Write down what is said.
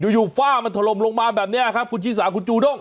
อยู่ฝ้ามันถล่มลงมาแบบนี้ครับคุณชิสาคุณจูด้ง